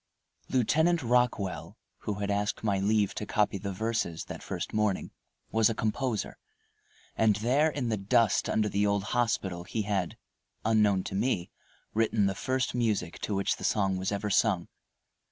Lieutenant Rockwell, who had asked my leave to copy the verses that first morning, was a composer, and there in the dust under the old hospital he had, unknown to me, written the first music to which the song was ever sung.